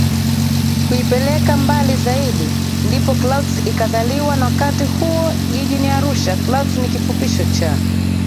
kuipeleka mbali Zaidi ndipo Clouds ikazaliwa nwakati huo Jijini Arusha Clouds ni kifupisho cha